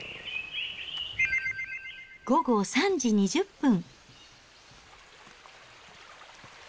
午後３時２０分。